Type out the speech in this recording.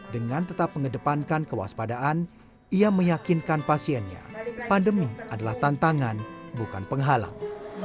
dengan tetap mengedepankan kewaspadaan ia meyakinkan pasiennya pandemi adalah tantangan bukan penghalang